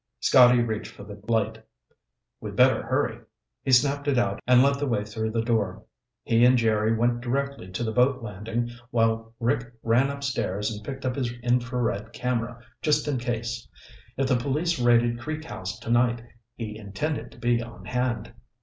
Scotty reached for the light. "We'd better hurry." He snapped it out and led the way through the door. He and Jerry went directly to the boat landing while Rick ran upstairs and picked up his infrared camera, just in case. If the police raided Creek House tonight, he intended to be on hand.